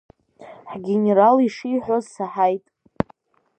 Ҳгенерал ишиҳәоз саҳаит.